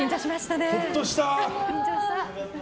ほっとした。